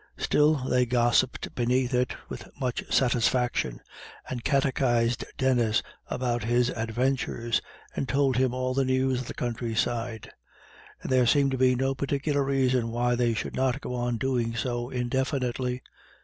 Still, they gossiped beneath it with much satisfaction, and catechised Denis about his adventures, and told him all the news of the countryside; and there seemed to be no particular reason why they should not go on doing so indefinitely.